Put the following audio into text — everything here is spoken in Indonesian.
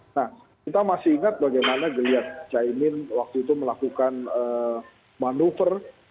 nah kita masih ingat bagaimana geliat caimin waktu itu melakukan manuver